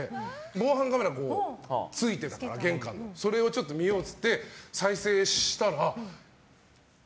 防犯カメラついてたから、玄関にそれを見ようっつって再生したら、急にバン！